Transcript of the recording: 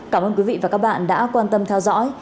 cảm ơn quý vị và các bạn đã quan tâm theo dõi